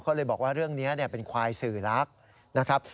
เขาเลยบอกว่าเรื่องนี้เป็นควายสื่อรักนะครับ